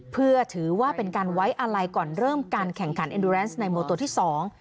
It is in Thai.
เพื่อถือว่าเป็นการไว้อะไรก่อนเริ่มการแข่งขันในโมโตรที่สอง